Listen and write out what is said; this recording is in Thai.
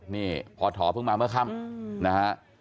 นี่พอถอเพิ่งมาเมื่อค่ำนะฮะ